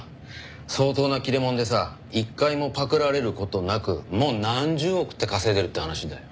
相当な切れ者でさ一回もパクられる事なくもう何十億って稼いでるって話だよ。